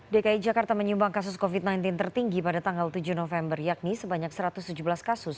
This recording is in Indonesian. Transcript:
dki jakarta menyumbang kasus covid sembilan belas tertinggi pada tanggal tujuh november yakni sebanyak satu ratus tujuh belas kasus